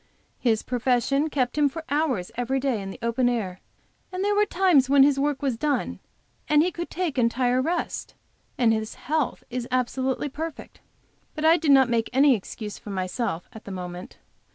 His profession kept him for hours every day in the open air; there were times when his work was done and he could take entire rest; and his health is absolutely perfect. But I did not make any excuse for myself at the moment.